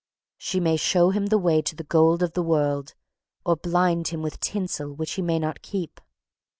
She may show him the way to the gold of the world, or blind him with tinsel which he may not keep.